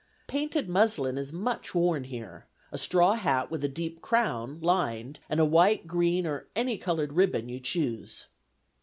Painted muslin is much worn here; a straw hat with a deep crown, lined, and a white, green, or any colored ribbon you choose."